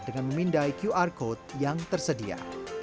dengan memindai qr code yang tersedia